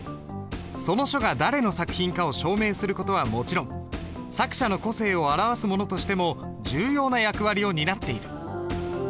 その書が誰の作品かを証明する事はもちろん作者の個性を表すものとしても重要な役割を担っている。